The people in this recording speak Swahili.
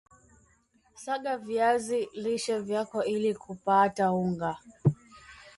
saga viazi lishe vyako ili kupAata unga